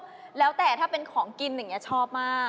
ก็แล้วแต่ถ้าเป็นของกินอย่างนี้ชอบมาก